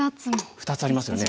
２つありますよね。